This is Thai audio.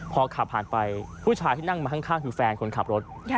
พอขับผ่านไปผู้ชายที่นั่งมาข้างคือแฟนคนขับรถ